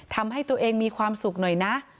ทำให้ตัวเองมีความสุขหน่อยนะ